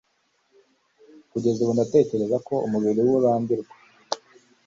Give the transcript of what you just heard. Kugeza ubwo natekerezaga ko umubiri we urambiwe